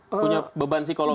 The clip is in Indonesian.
punya beban psikologis